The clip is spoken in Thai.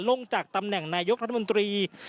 ลงจากตำแหน่งนายกรัฐมนตรี